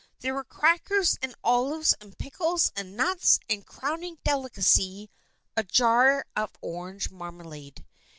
There were crackers and olives and pickles and nuts, and, crowning delicacy, a jar of orange marmalade.